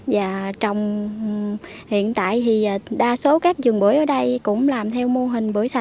và trong hiện tại thì đa số các vườn bưởi ở đây cũng làm theo mô hình bưởi sản